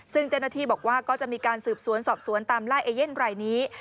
ซึ่งเจณฑีบอกว่าก็จะมีการสืบสวนสอบสวนตามละเอเย่นใบนี้